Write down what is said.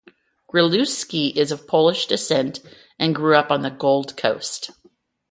Gruzlewski is of Polish descent and grew up on the Gold Coast.